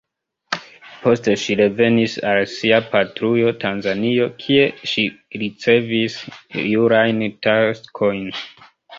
Poste ŝi revenis al sia patrujo Tanzanio, kie ŝi ricevis jurajn taskojn.